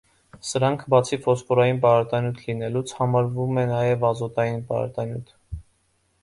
Սրանք բացի ֆոսֆորային պարարտանյութ լինելուց, ահամրվում է նաև ազոտային պարարտանյութ։